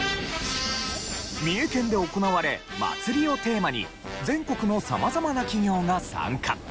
三重県で行われ「まつり」をテーマに全国の様々な企業が参加。